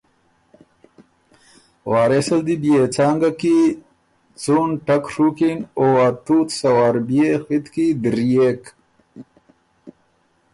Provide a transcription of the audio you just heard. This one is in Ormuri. وارث ال دی بيې څانګه کی څُون ټک ڒُوکِن او ا تُوت سۀ وار بيې خِط کی دِريېک۔